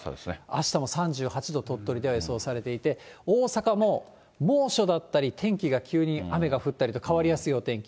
あした３８度、鳥取では予想されていて、大阪も猛暑だったり、天気が急に雨が降ったりと変わりやすいお天気。